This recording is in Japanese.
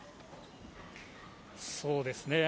そうですね。